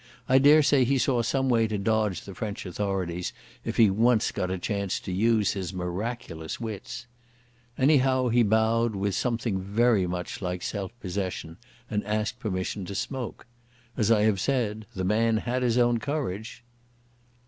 I daresay he saw some way to dodge the French authorities if he once got a chance to use his miraculous wits. Anyhow, he bowed with something very like self possession, and asked permission to smoke. As I have said, the man had his own courage.